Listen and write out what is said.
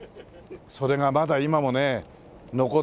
それがまだ今もね残ってるという。